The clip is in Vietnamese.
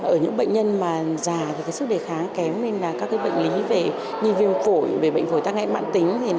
ở những bệnh nhân mà già sức đề kháng kém các bệnh lý như viêm phổi bệnh phổi tăng hại mạng tính